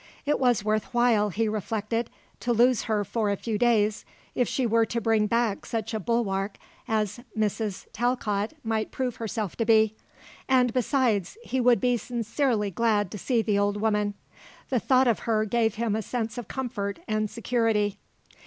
It was worth while, he reflected, to lose her for a few days if she were to bring back such a bulwark as Mrs. Talcott might prove herself to be. And, besides, he would be sincerely glad to see the old woman. The thought of her gave him a sense of comfort and security.